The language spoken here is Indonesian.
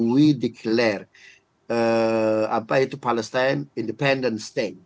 kita mengatakan apa itu palestine penduduk terdiri